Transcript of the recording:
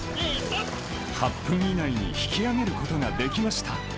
８分以内に引き上げることができました。